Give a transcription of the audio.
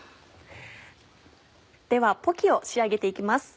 ではポキを仕上げて行きます。